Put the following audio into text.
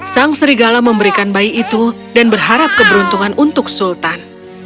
sang serigala memberikan bayi itu dan berharap keberuntungan untuk sultan